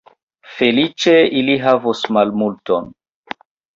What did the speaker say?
Feliĉe, ili havos malmulton.